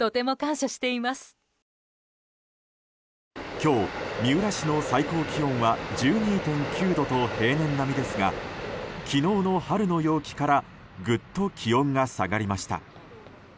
今日、三浦市の最高気温は１２．９度と平年並みですが昨日の春の陽気からぐっと気温が下がりました。